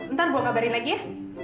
ntar gue kabarin lagi ya